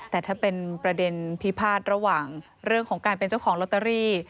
แต่ถ้าเป็นประเด็นพิพาทระหว่างเรื่องของการเป็นเจ้าของลอตเตอรี่